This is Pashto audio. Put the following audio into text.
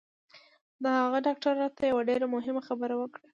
د هغه ډاکتر راته یوه ډېره مهمه خبره وکړه